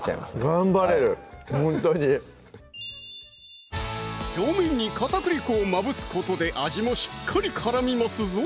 頑張れるほんとに表面に片栗粉をまぶすことで味もしっかり絡みますぞ